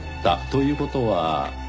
という事は。